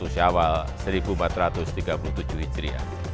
satu syawal seribu empat ratus tiga puluh tujuh hijriah